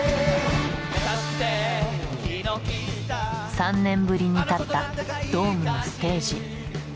３年ぶりに立ったドームのステージ。